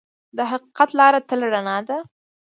د حقیقت لار تل رڼا ده.